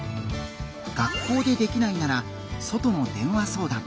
学校でできないなら外の電話相談。